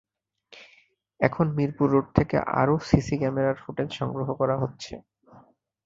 এখন মিরপুর রোড থেকে আরও সিসি ক্যামেরার ফুটেজ সংগ্রহ করা হচ্ছে।